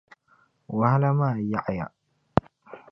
Wahala maa yaɣi ya.